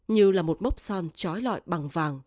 như là một mốc son trói lọi bằng vàng